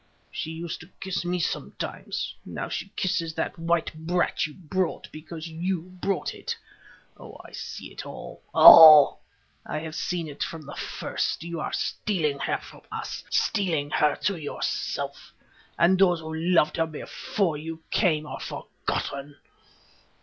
She used to kiss me sometimes; now she kisses that white brat you brought, because you brought it. Oh, I see it all—all; I have seen it from the first; you are stealing her from us, stealing her to yourself, and those who loved her before you came are forgotten.